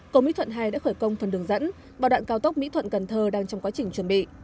cầu mỹ thuận hai đã khởi công phần đường dẫn bảo đoạn cao tốc mỹ thuận cần thơ đang trong quá trình chuẩn bị